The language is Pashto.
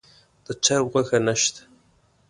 د چرګ غوښه نه شته.